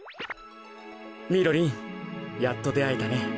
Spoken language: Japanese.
みろりんやっとであえたね。